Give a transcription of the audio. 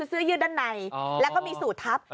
เสื้อยืดด้านในแล้วก็มีสูตรทัพ